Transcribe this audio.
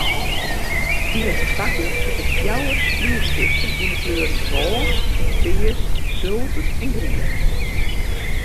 Yn in ferpakking sitte fjouwer skriuwstiften yn 'e kleuren rôs, pears, sulver en grien.